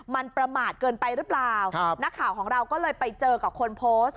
มันประมาทเกินไปหรือเปล่าครับนักข่าวของเราก็เลยไปเจอกับคนโพสต์